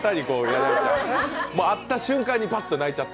会った瞬間にバッと泣いちゃった？